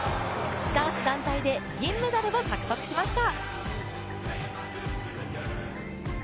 男子団体で銀メダルを獲得しました。